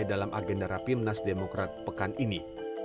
dalam agenda rapimnas demokrat pekan ini